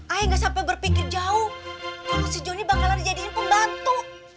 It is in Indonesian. ayah gak sampai berpikir jauh kalo si joni bakalan dijadikan pembantu